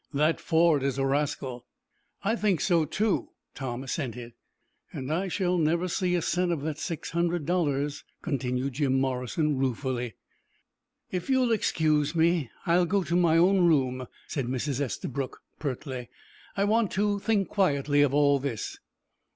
That Ford is a rascal." "I think so, too," Tom assented. "And I shall never see a cent of that six hundred dollars," continued Jim Morrison, ruefully. "If you'll excuse me, I'll go to my own room," said Mrs. Estabrook, pertly. "I want to think quietly of all this."